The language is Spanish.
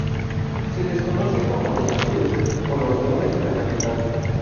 Se les conoce como "los azules" o "los leones de la capital".